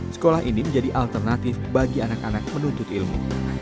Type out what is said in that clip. sekolah ini menjadi alternatif bagi anak anak menuntut ilmu